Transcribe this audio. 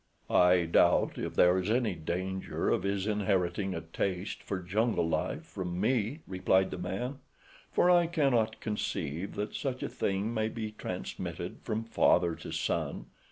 "I doubt if there is any danger of his inheriting a taste for jungle life from me," replied the man, "for I cannot conceive that such a thing may be transmitted from father to son.